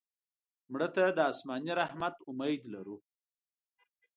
مړه ته د آسماني رحمت امید لرو